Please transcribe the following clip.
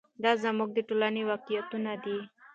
دا زموږ د ټولنې واقعیتونه دي.